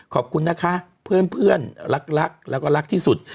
ขอบคุณนะคะเพื่อนรักแล้วก็รักที่สุด